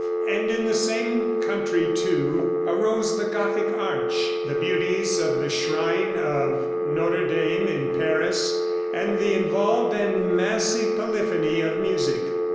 And in the same country, too, arose the Gothic arch, the beauties of the shrine of Notre Dame in Paris, and the involved and massive polyphony of music.